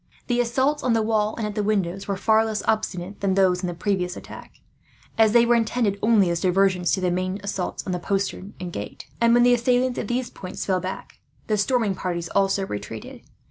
The assaults on the walls, and at the windows, were far less obstinate than those in the previous attack, as they were intended only as diversions to the main assaults on the posterns and gate; and when the assailants at these points fell back, the storming parties also retreated.